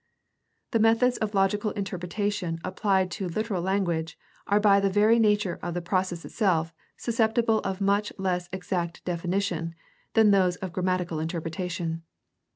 The methods of logical interpretation applied to literal language are by the very nature of the process itself sus ceptible of much less exact definition than those of gram matical interpretation.